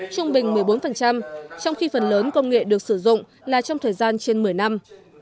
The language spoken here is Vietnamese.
trung bình một mươi bốn trong khi phần lớn công nghệ được sử dụng là trong thời gian trên một mươi năm